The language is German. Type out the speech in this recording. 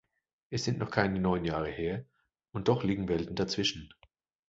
Es sind noch keine neun Jahre her, und doch liegen Welten dazwischen.